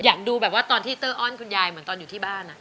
อยากดูแบบว่าตอนที่เตอร์อ้อนคุณยายเหมือนตอนอยู่ที่บ้าน